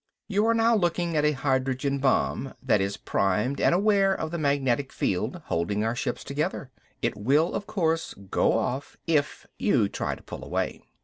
"You are now looking at a hydrogen bomb that is primed and aware of the magnetic field holding our ships together. It will, of course, go off if you try to pull away."